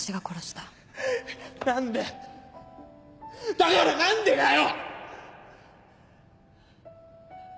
だから何でだよ